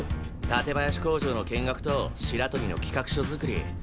館林工場の見学と白鳥の企画書作り。